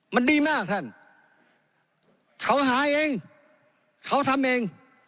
มันดีมากท่านเขาหาเองเขาทำเอง